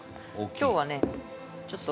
今日はねちょっと。